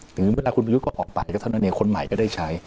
หรือเมื่อคุณประยุทธก็ออกไปก็เท่านั้นเนี่ยคนใหม่ก็ได้ใช้